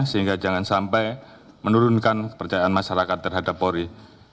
sehingga jangan sampai menurunkan kepercayaan masyarakat terhadap polri